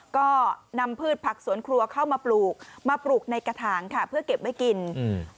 ก็นำพืชผักสวนครัวเข้ามาปลูกมาปลูกในกระถางค่ะเพื่อเก็บไว้กินอืม